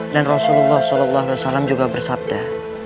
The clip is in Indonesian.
dan rasulullah saw juga bersabda